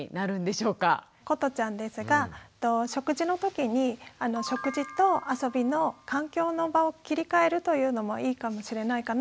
ことちゃんですが食事のときに食事と遊びの環境の場を切り替えるというのもいいかもしれないかなと思います。